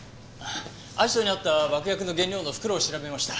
アジトにあった爆薬の原料の袋を調べました。